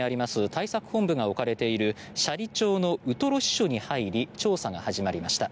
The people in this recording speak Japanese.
対策本部が置かれている斜里町のウトロ支所に入り調査が始まりました。